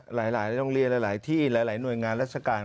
หลายโรงเรียนหลายที่หลายหน่วยงานราชการ